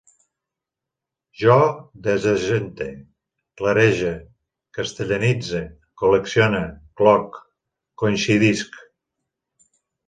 Jo desargente, clarege, castellanitze, col·leccione, cloc, coincidisc